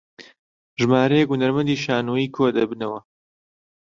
ژمارەیەک هونەرمەندی شانۆێکۆدەبنەوە